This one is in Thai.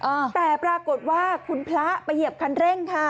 อ่าแต่ปรากฏว่าคุณพระไปเหยียบคันเร่งค่ะ